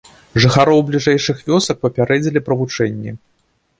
Жыхароў бліжэйшых вёсак папярэдзілі пра вучэнні.